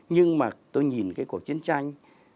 nhưng mà tôi nhìn cái cuộc chiến tranh